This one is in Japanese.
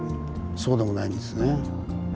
そうでもないんですね。